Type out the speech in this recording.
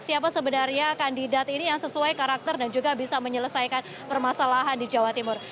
siapa sebenarnya kandidat ini yang sesuai karakter dan juga bisa menyelesaikan permasalahan di jawa timur